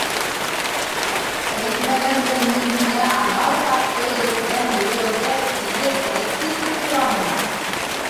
Әйтмәгәнде мин һиңә анау саҡты ерҙән йәйәүҙәп килеп әйтте тип тораммы?